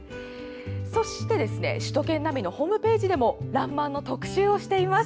そして首都圏ナビのホームページでも「らんまん」の特集をしています。